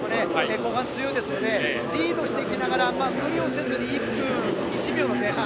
後半強いですのでリードしていきながら無理をせずに１分１秒の前半。